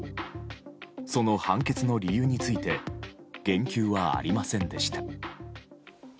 その判決の理由について言及はありませんでした。